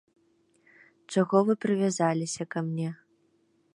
Чаго вы прывязаліся ка мне?